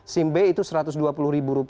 sim b itu rp satu ratus dua puluh